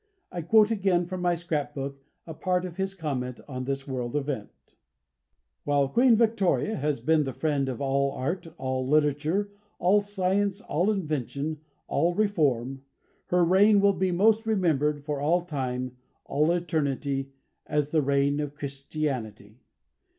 I quote again from my scrap book a part of his comment on this world event: "While Queen Victoria has been the friend of all art, all literature, all science, all invention, all reform, her reign will be most remembered for all time, all eternity, as the reign of Christianity.